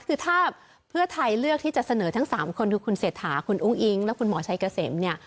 คือถ้าเพื่อไทยเลือกที่จะเสนอทั้ง๓คนคือคุณเศรษฐาคุณอุ้งอิ๊งและคุณหมอชัยเกษมเนี่ย